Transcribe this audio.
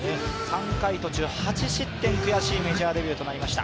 ３回途中、８失点、悔しいメジャーデビューとなりました。